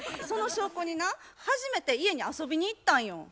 その証拠にな初めて家に遊びに行ったんよ。